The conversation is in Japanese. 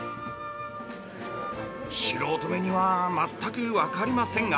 素人目には全く分かりませんが。